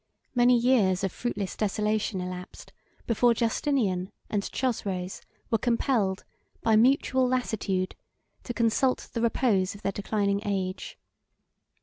Many years of fruitless desolation elapsed before Justinian and Chosroes were compelled, by mutual lassitude, to consult the repose of their declining age.